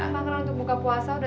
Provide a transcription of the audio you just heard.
banyak untuk buka puasa